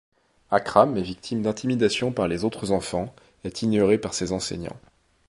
Akram est victime d'intimidations par les autres enfants, est ignorée par ses enseignants.